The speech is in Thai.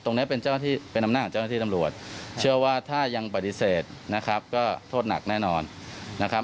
ตรงนี้เป็นนำหน้าของเจ้าหน้าที่นำรวจเชื่อว่าถ้ายังปฏิเสธนะครับก็โทษหนักแน่นอนนะครับ